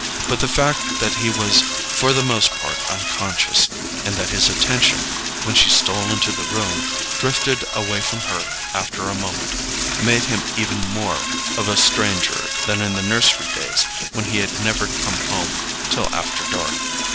But the fact that he was for the most part unconscious, and that his attention, when she stole into the room, drifted away from her after a moment, made him even more of a stranger than in the nursery days when he had never come home till after dark.